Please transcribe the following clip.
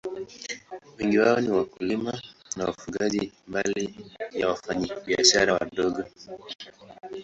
Wengi wao ni wakulima na wafugaji, mbali ya wafanyabiashara wadogo.